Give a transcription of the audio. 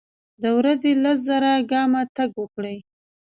د ورځي لس زره ګامه تګ وکړئ.